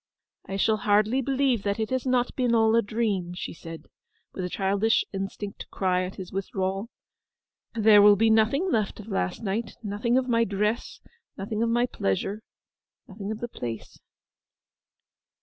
'I shall hardly believe that it has not been all a dream!' she said, with a childish instinct to cry at his withdrawal. 'There will be nothing left of last night—nothing of my dress, nothing of my pleasure, nothing of the place!